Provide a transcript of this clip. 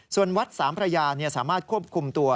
ส่วนวัดสามพระยาสามารถควบคุมตัว